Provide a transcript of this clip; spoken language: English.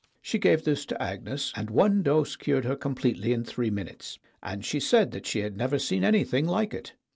She gave this to Agnes, and one dose cured her completely in three minutes, and she said that she had never seen anything like it.